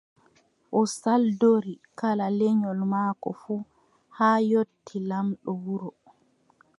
O saldori kala lenyol maako fuu, haa yotti laamɗo wuro.